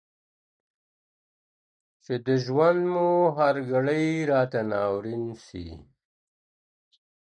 چی د ژوند مو هر گړی راته ناورین سی.